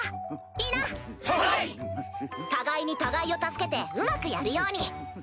互いに互いを助けてうまくやるように！